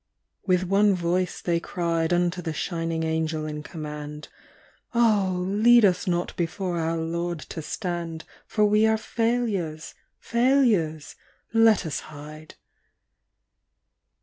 With one voice they cried Unto the shining Angel in command: 'Oh, lead us not before our Lord to stand, For we are failures, failures! Let us hide.